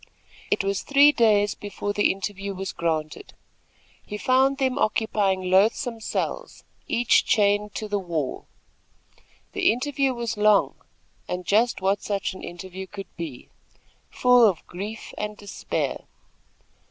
It was three days before the interview was granted. He found them occupying loathsome cells, each chained to the wall. The interview was long, and just what such an interview could be, full of grief and despair.